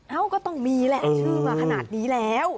ก็ต้องมีแหละชื่อมาขนาดนี้แล้ว